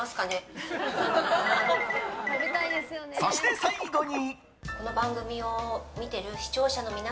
そして、最後に。